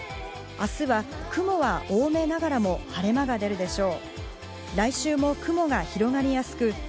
明日は雲が多めながらも、晴れ間が出るでしょう。